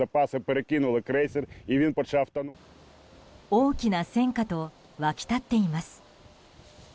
大きな戦果と沸き立っています。